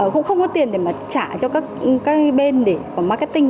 cũng không có tiền để mà trả cho các bên để của marketing